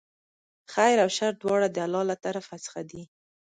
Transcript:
خیر او شر دواړه د الله له طرفه څخه دي.